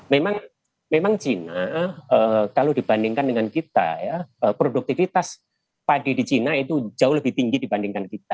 memang china kalau dibandingkan dengan kita ya produktivitas padi di china itu jauh lebih tinggi dibandingkan kita